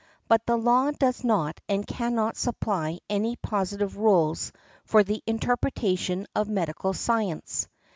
But the law does not and cannot supply any positive rules for the interpretation of medical science.